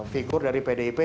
figur dari pdip